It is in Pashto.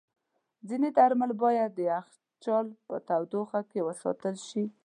ځینې درمل باید د یخچال په تودوخه کې وساتل شي.